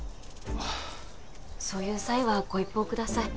あっそういう際はご一報ください